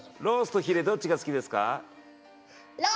ロースとヒレどっちが好きですか。